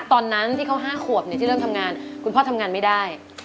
ตอนนั้นที่เขา๕ขวบที่เริ่มทำงานคุณพ่อทำงานไม่ได้